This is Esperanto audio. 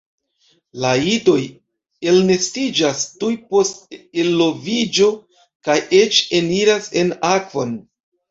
La idoj elnestiĝas tuj post eloviĝo kaj eĉ eniras en akvon.